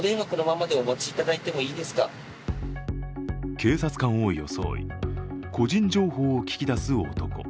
警察官を装い、個人情報を聞き出す男。